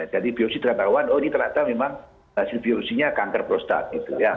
jadi biopsi terhadap awan oh ini terhadap memang hasil biopsinya kanker prostat